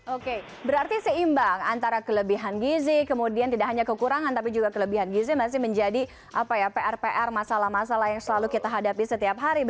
oke berarti seimbang antara kelebihan gizi kemudian tidak hanya kekurangan tapi juga kelebihan gizi masih menjadi pr pr masalah masalah yang selalu kita hadapi setiap hari